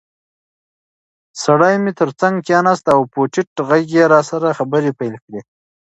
سړی مې تر څنګ کېناست او په ټیټ غږ یې راسره خبرې پیل کړې.